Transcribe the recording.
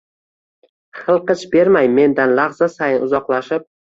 hilqich bermay mendan lahza sayin uzoqlashib